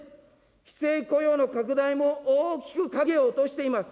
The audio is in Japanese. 非正規雇用の拡大も大きく影を落としています。